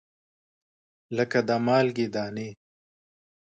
لګه د مالګې دانې